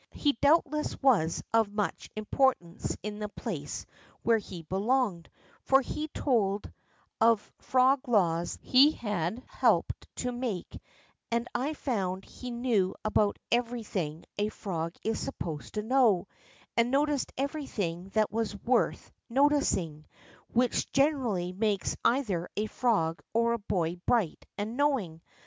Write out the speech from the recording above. He doubtless was of much importance in the place where he belonged, for he told of frog laws he had helped to make, and I found he knew about every thing a frog is supposed to know, and noticed everything that was worth noticing, which gen erally makes either a frog or a hoy bright and knowing.